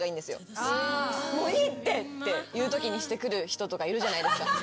もういいって！っていうときにしてくる人いるじゃないですか。